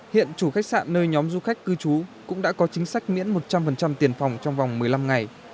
hiện chủ khách sạn nơi nhóm du khách cư trú cũng đã có chính sách miễn một trăm linh tiền phòng trong vòng một mươi năm ngày